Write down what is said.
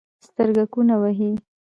سترګکونه وهي